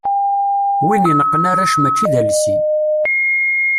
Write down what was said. Win ineqqen arrac mačči d alsi.